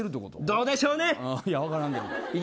どうでしょうね。